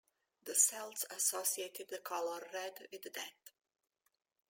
The Celts associated the colour red with death.